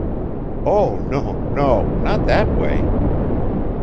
"Oh no, no not that way."